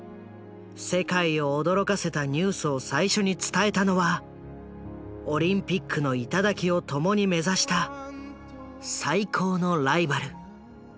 世界を驚かせたニュースを最初に伝えたのはオリンピックの頂を共に目指した最高のライバル。